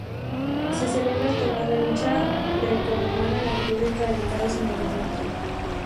Se celebra el torneo de lucha grecorromana en la República dedicado a su monumento.